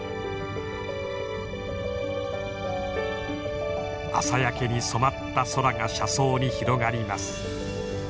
朝焼けに染まった空が車窓に広がります。